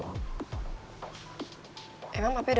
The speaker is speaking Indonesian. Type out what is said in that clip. emang papi udah baikan sama mama adriana